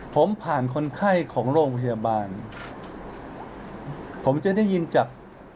ผมผ่านคนไข้ของโรงพยาบาลผมจะได้ยินจาก